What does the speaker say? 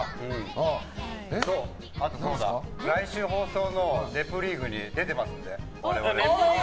あと、来週放送の「ネプリーグ」出てますんで、我々。